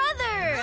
え